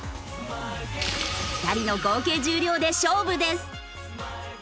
２人の合計重量で勝負です。